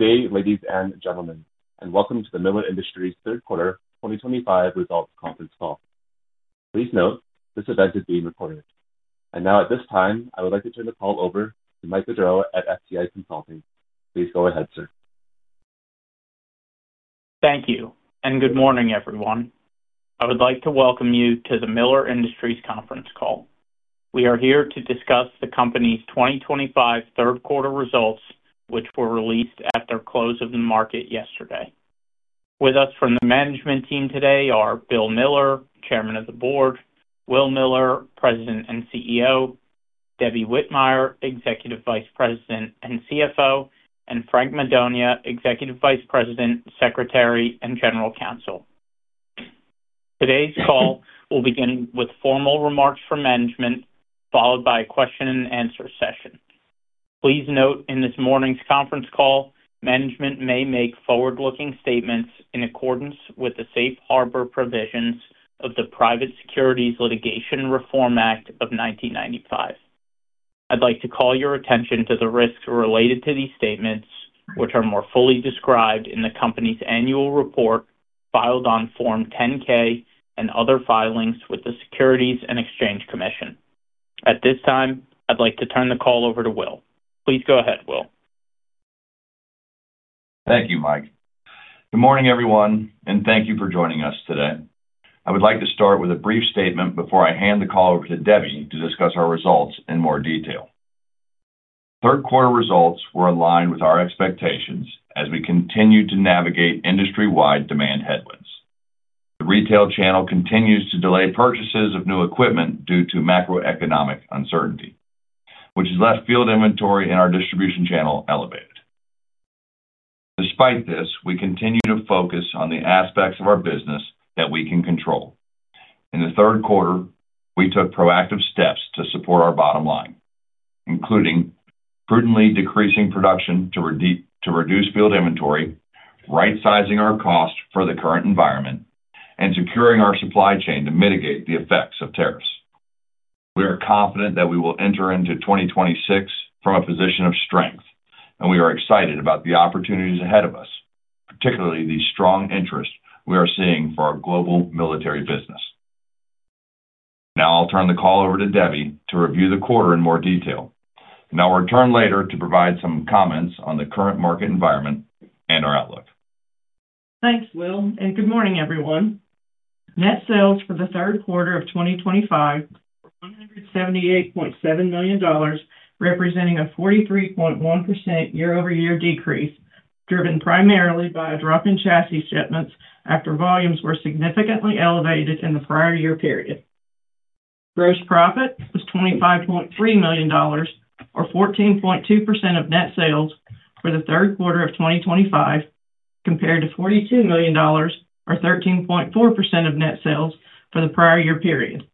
Good day, ladies and gentlemen, and welcome to the Miller Industries third quarter 2025 results conference call. Please note this event is being recorded. At this time, I would like to turn the call over to Mike Gaudreau at FTI Consulting. Please go ahead, sir. Thank you, and good morning, everyone. I would like to welcome you to the Miller Industries conference call. We are here to discuss the Company's 2025 third quarter results, which were released at the close of the market yesterday. With us from the Management team today are Bill Miller, Chairman of the Board; Will Miller, President and CEO; Debbie Whitmire, Executive Vice President and CFO; and Frank Madonia, Executive Vice President, Secretary, and General Counsel. Today's call will begin with formal remarks from Management, followed by a question-and-answer session. Please note in this morning's conference call, Management may make forward-looking statements in accordance with the safe harbor provisions of the Private Securities Litigation Reform Act of 1995. I'd like to call your attention to the risks related to these statements, which are more fully described in the company's annual report filed on Form 10-K and other filings with the Securities and Exchange Commission. At this time, I'd like to turn the call over to Will. Please go ahead, Will. Thank you, Mike. Good morning, everyone, and thank you for joining us today. I would like to start with a brief statement before I hand the call over to Debbie to discuss our results in more detail. Third quarter results were aligned with our expectations as we continued to navigate industry-wide demand headwinds. The retail channel continues to delay purchases of new equipment due to macroeconomic uncertainty, which has left field inventory in our distribution channel elevated. Despite this, we continue to focus on the aspects of our business that we can control. In the third quarter, we took proactive steps to support our bottom line, including prudently decreasing production to reduce field inventory, right-sizing our costs for the current environment, and securing our supply chain to mitigate the effects of tariffs. We are confident that we will enter into 2026 from a position of strength, and we are excited about the opportunities ahead of us, particularly the strong interest we are seeing for our Global Military business. Now I'll turn the call over to Debbie to review the quarter in more detail. I'll return later to provide some comments on the current market environment and our outlook. Thanks, Will, and good morning, everyone. Net sales for the third quarter of 2025 were $178.7 million, representing a 43.1% year-over-year decrease, driven primarily by a drop in chassis shipments after volumes were significantly elevated in the prior year period. Gross profit was $25.3 million, or 14.2% of net sales for the third quarter of 2025, compared to $42 million, or 13.4% of net sales for the prior year period.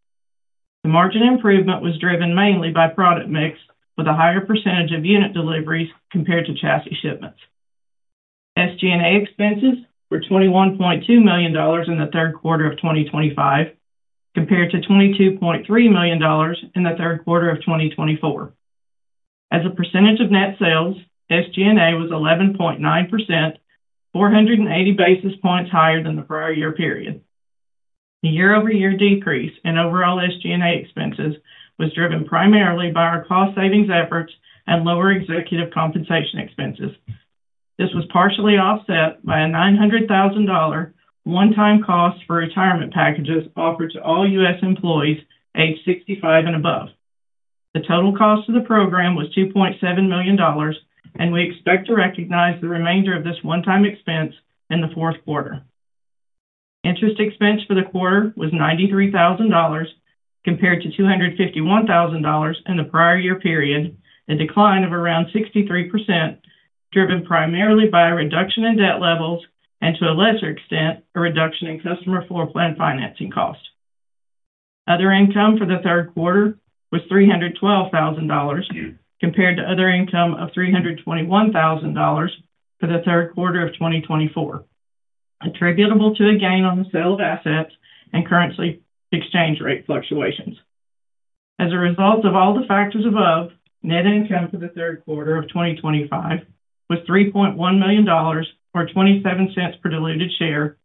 The margin improvement was driven mainly by product mix, with a higher percentage of unit deliveries compared to chassis shipments. SG&A expenses were $21.2 million in the third quarter of 2025, compared to $22.3 million in the third quarter of 2024. As a percentage of net sales, SG&A was 11.9%, 480 basis points higher than the prior year period. The year-over-year decrease in overall SG&A expenses was driven primarily by our cost savings efforts and lower executive compensation expenses. This was partially offset by a $900,000 one-time cost for retirement packages offered to all U.S. employees aged 65 and above. The total cost of the program was $2.7 million, and we expect to recognize the remainder of this one-time expense in the fourth quarter. Interest expense for the quarter was $93,000, compared to $251,000 in the prior year period, a decline of around 63%, driven primarily by a reduction in debt levels and, to a lesser extent, a reduction in customer floor plan financing cost. Other income for the third quarter was $312,000, compared to other income of $321,000 for the third quarter of 2024, attributable to a gain on the sale of assets and currency exchange rate fluctuations. As a result of all the factors above, net income for the third quarter of 2025 was $3.1 million, or $0.27 per diluted share,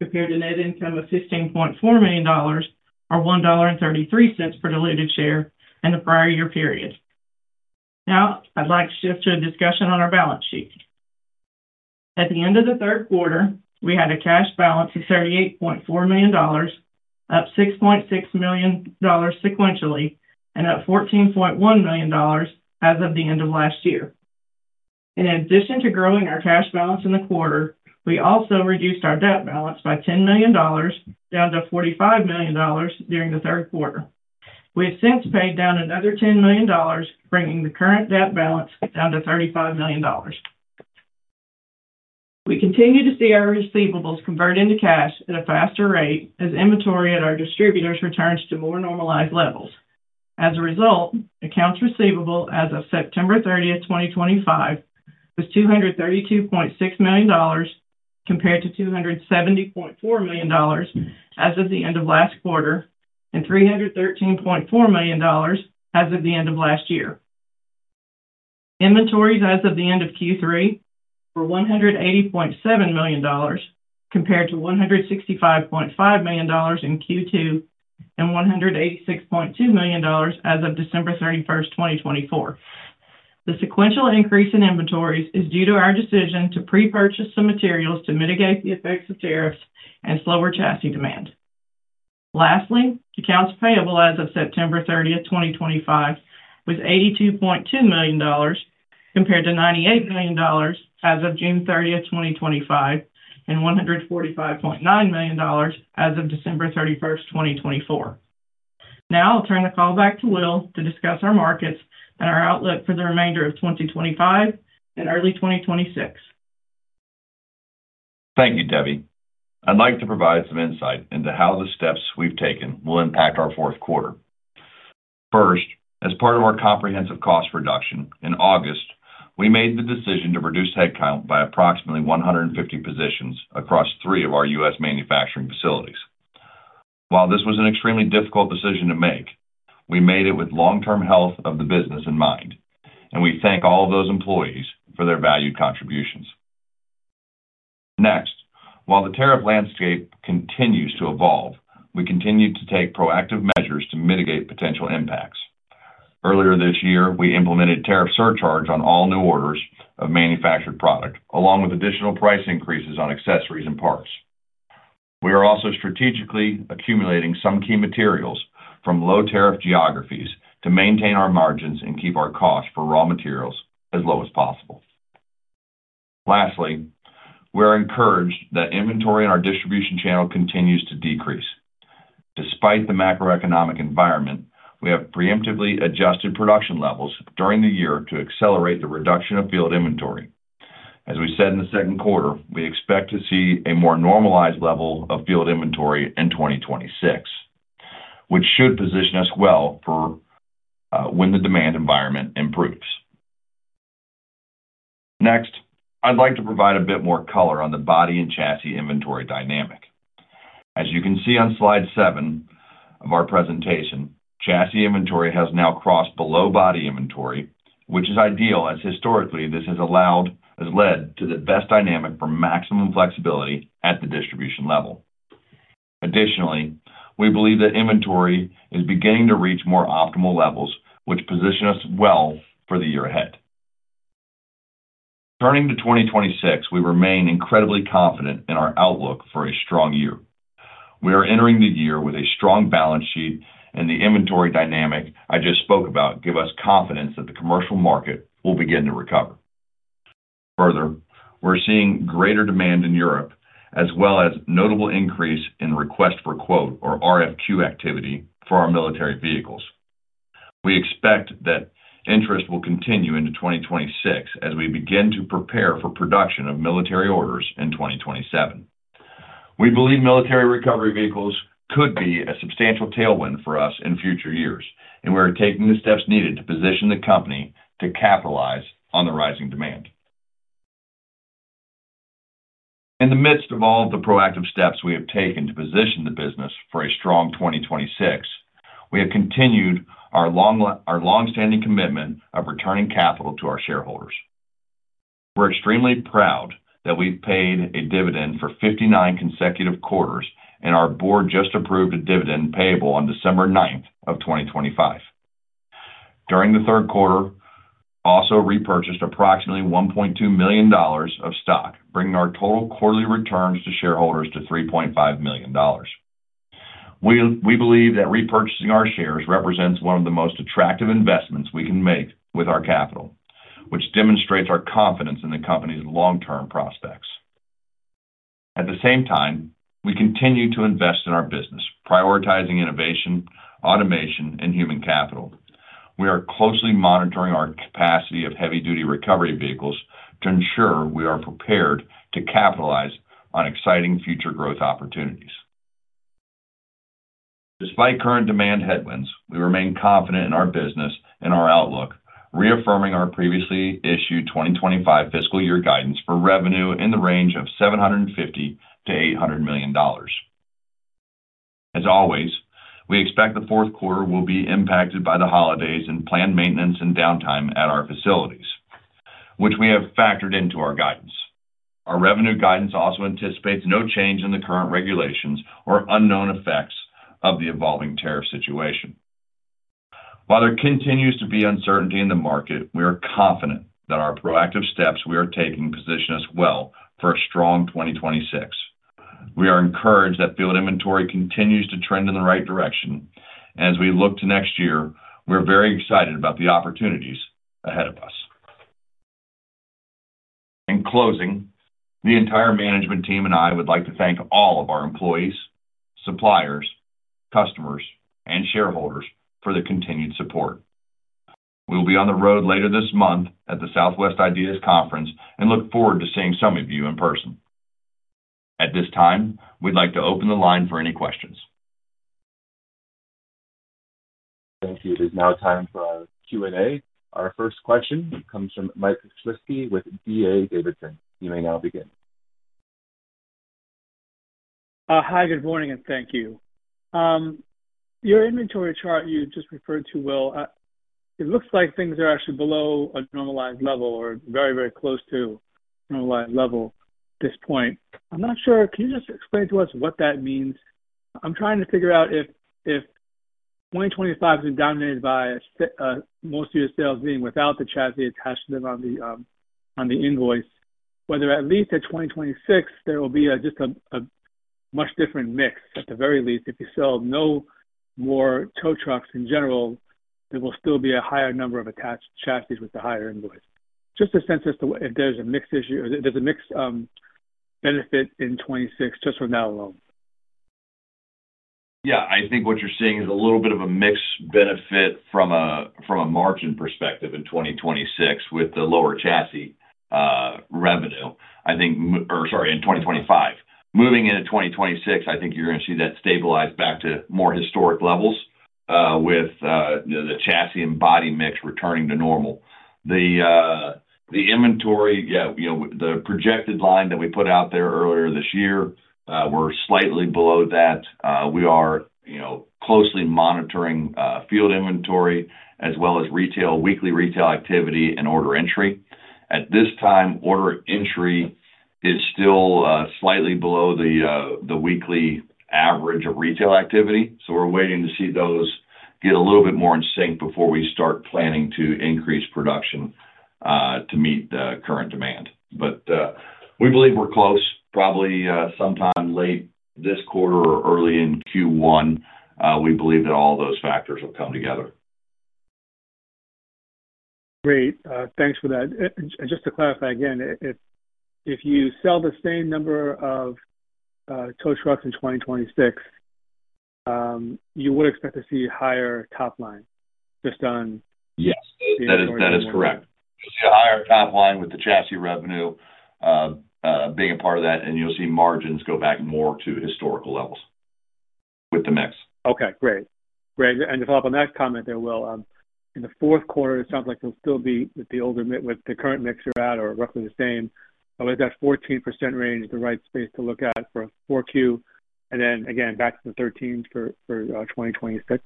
compared to net income of $15.4 million, or $1.33 per diluted share in the prior year period. Now, I'd like to shift to a discussion on our balance sheet. At the end of the third quarter, we had a cash balance of $38.4 million, up $6.6 million sequentially, and up $14.1 million as of the end of last year. In addition to growing our cash balance in the quarter, we also reduced our debt balance by $10 million, down to $45 million during the third quarter. We have since paid down another $10 million, bringing the current debt balance down to $35 million. We continue to see our receivables convert into cash at a faster rate as inventory at our distributors returns to more normalized levels. As a result, accounts receivable as of September 30th, 2025, was $232.6 million, compared to $270.4 million as of the end of last quarter and $313.4 million as of the end of last year. Inventories as of the end of Q3 were $180.7 million, compared to $165.5 million in Q2 and $186.2 million as of December 31st, 2024. The sequential increase in inventories is due to our decision to pre-purchase some materials to mitigate the effects of tariffs and slower chassis demand. Lastly, accounts payable as of September 30th, 2025, was $82.2 million, compared to $98 million as of June 30th, 2025, and $145.9 million as of December 31st, 2024. Now I'll turn the call back to Will to discuss our markets and our outlook for the remainder of 2025 and early 2026. Thank you, Debbie. I'd like to provide some insight into how the steps we've taken will impact our fourth quarter. First, as part of our comprehensive cost reduction in August, we made the decision to reduce headcount by approximately 150 positions across three of our U.S. manufacturing facilities. While this was an extremely difficult decision to make, we made it with long-term health of the business in mind, and we thank all of those employees for their valued contributions. Next, while the tariff landscape continues to evolve, we continue to take proactive measures to mitigate potential impacts. Earlier this year, we implemented tariff surcharge on all new orders of manufactured product, along with additional price increases on accessories and parts. We are also strategically accumulating some key materials from low tariff geographies to maintain our margins and keep our costs for raw materials as low as possible. Lastly, we are encouraged that inventory in our distribution channel continues to decrease. Despite the macroeconomic environment, we have preemptively adjusted production levels during the year to accelerate the reduction of field inventory. As we said in the second quarter, we expect to see a more normalized level of field inventory in 2026, which should position us well for when the demand environment improves. Next, I'd like to provide a bit more color on the body and chassis inventory dynamic. As you can see on slide seven of our presentation, chassis inventory has now crossed below body inventory, which is ideal as historically this has led to the best dynamic for maximum flexibility at the distribution level. Additionally, we believe that inventory is beginning to reach more optimal levels, which position us well for the year ahead. Turning to 2026, we remain incredibly confident in our outlook for a strong year. We are entering the year with a strong balance sheet, and the inventory dynamic I just spoke about gives us confidence that the commercial market will begin to recover. Further, we're seeing greater demand in Europe, as well as a notable increase in request for quote, or RFQ, activity for our military vehicles. We expect that interest will continue into 2026 as we begin to prepare for production of military orders in 2027. We believe military recovery vehicles could be a substantial tailwind for us in future years, and we are taking the steps needed to position the company to capitalize on the rising demand. In the midst of all of the proactive steps we have taken to position the business for a strong 2026, we have continued our longstanding commitment of returning capital to our shareholders. We're extremely proud that we've paid a dividend for 59 consecutive quarters, and our Board just approved a dividend payable on December 9, 2025. During the third quarter, we also repurchased approximately $1.2 million of stock, bringing our total quarterly returns to shareholders to $3.5 million. We believe that repurchasing our shares represents one of the most attractive investments we can make with our capital, which demonstrates our confidence in the company's long-term prospects. At the same time, we continue to invest in our business, prioritizing Innovation, Automation, and Human capital. We are closely monitoring our capacity of heavy-duty recovery vehicles to ensure we are prepared to capitalize on exciting future growth opportunities. Despite current demand headwinds, we remain confident in our business and our outlook, reaffirming our previously issued 2025 fiscal year guidance for revenue in the range of $750 million-$800 million. As always, we expect the fourth quarter will be impacted by the holidays and planned maintenance and downtime at our facilities, which we have factored into our guidance. Our revenue guidance also anticipates no change in the current regulations or unknown effects of the evolving tariff situation. While there continues to be uncertainty in the market, we are confident that our proactive steps we are taking position us well for a strong 2026. We are encouraged that field inventory continues to trend in the right direction, and as we look to next year, we're very excited about the opportunities ahead of us. In closing, the entire Management team and I would like to thank all of our employees, suppliers, customers, and shareholders for the continued support. We will be on the road later this month at the Southwest Ideas Conference and look forward to seeing some of you in person. At this time, we'd like to open the line for any questions. Thank you. It is now time for our Q&A. Our first question comes from Mike Shlisky with D.A. Davidson. You may now begin. Hi, good morning, and thank you. Your inventory chart you just referred to, Will. It looks like things are actually below a normalized level or very, very close to a normalized level at this point. I'm not sure, can you just explain to us what that means? I'm trying to figure out if 2025 has been dominated by most of your sales being without the chassis attached to them on the invoice, whether at least at 2026 there will be just a much different mix. At the very least, if you sell no more tow trucks in general, there will still be a higher number of attached chassis with the higher invoice. Just a sense as to if there's a mixed issue, if there's a mixed benefit in 2026 just from that alone. Yeah, I think what you're seeing is a little bit of a mixed benefit from a margin perspective in 2026 with the lower chassis revenue. I think, or sorry, in 2025. Moving into 2026, I think you're going to see that stabilize back to more historic levels with the chassis and body mix returning to normal. The inventory, yeah, the projected line that we put out there earlier this year, we're slightly below that. We are closely monitoring field inventory as well as weekly retail activity and order entry. At this time, order entry is still slightly below the weekly average of retail activity, so we're waiting to see those get a little bit more in sync before we start planning to increase production to meet the current demand. But we believe we're close, probably sometime late this quarter or early in Q1. We believe that all those factors will come together. Great. Thanks for that. Just to clarify again, if you sell the same number of tow trucks in 2026, you would expect to see higher top line just on. Yes, that is correct. You'll see a higher top line with the chassis revenue being a part of that, and you'll see margins go back more to historical levels with the mix. Okay, great. Great. To follow up on that comment there, Will, in the fourth quarter, it sounds like there will still be with the current mix you are at or roughly the same, but is that 14% range the right space to look at for Q4 and then again back to the 13% for 2026?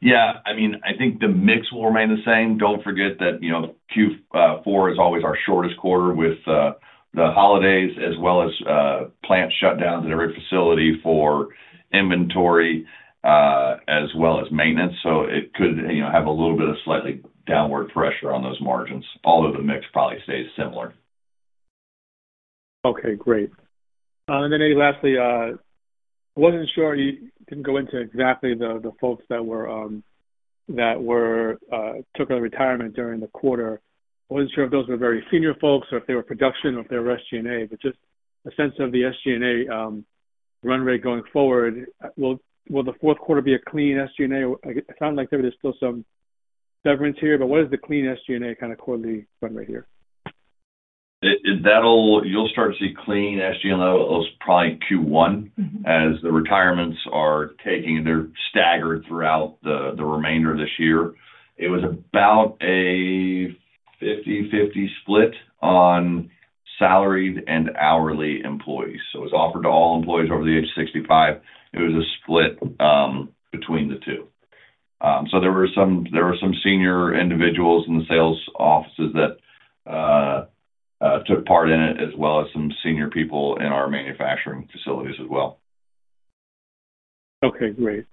Yeah, I mean, I think the mix will remain the same. Don't forget that Q4 is always our shortest quarter with the holidays as well as plant shutdowns at every facility for inventory as well as maintenance. So it could have a little bit of slightly downward pressure on those margins, although the mix probably stays similar. Okay, great. Maybe lastly, I wasn't sure, you didn't go into exactly the folks that took a retirement during the quarter. I wasn't sure if those were very senior folks or if they were production or if they were SG&A, but just a sense of the SG&A run rate going forward. Will the fourth quarter be a clean SG&A? It sounded like there was still some severance here, but what is the clean SG&A kind of quarterly run rate here? You'll start to see clean SG&A probably Q1 as the retirements are taking their stagger throughout the remainder of this year. It was about a 50/50 split on salaried and hourly employees. It was offered to all employees over the age of 65%. It was a split between the two. There were some senior individuals in the sales offices that took part in it, as well as some senior people in our manufacturing facilities as well. Okay, great.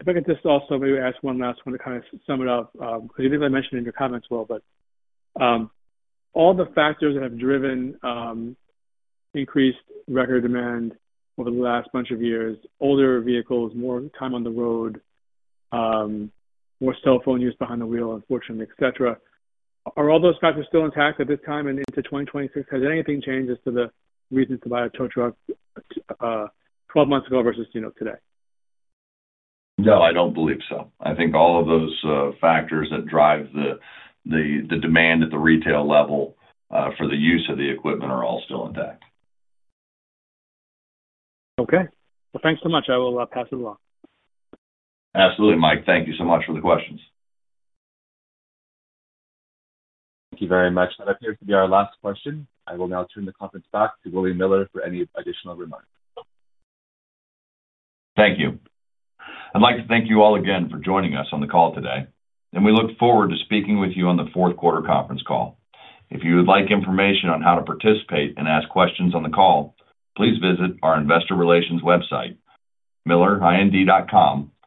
If I could just also maybe ask one last one to kind of sum it up, because I think I mentioned in your comments, Will, but all the factors that have driven increased record demand over the last bunch of years, older vehicles, more time on the road, more cell phone use behind the wheel, unfortunately, et cetera, are all those factors still intact at this time and into 2026? Has anything changed as to the reasons to buy a tow truck 12 months ago versus today? No, I don't believe so. I think all of those factors that drive the demand at the retail level for the use of the equipment are all still intact. Okay. Thanks so much. I will pass it along. Absolutely, Mike. Thank you so much for the questions. Thank you very much. That appears to be our last question. I will now turn the conference back to William Miller for any additional remarks. Thank you. I'd like to thank you all again for joining us on the call today, and we look forward to speaking with you on the fourth quarter conference call. If you would like information on how to participate and ask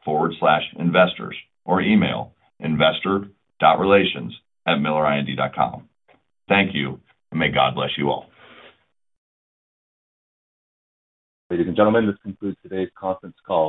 questions on the call, please visit our investor relations website, millerind.com. Investors, or email investor.relations@millerind.com. Thank you, and may God bless you all. Ladies and gentlemen, this concludes today's conference call.